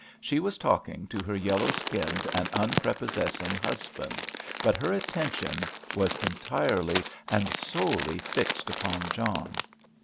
She was talking to her yellow skinned and unprepossessing husband, but her attention was entirely and solely fixed upon John.